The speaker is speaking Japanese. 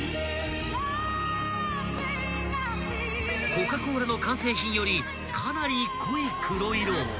［コカ・コーラの完成品よりかなり濃い黒色］